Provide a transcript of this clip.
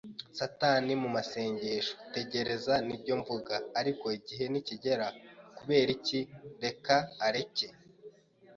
satani mu masengesho. Tegereza nibyo mvuga; ariko igihe nikigera, kubera iki, reka areke! ”